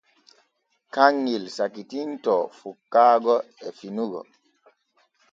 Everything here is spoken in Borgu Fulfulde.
Kanŋel sakitintoo fukkaago e finugo.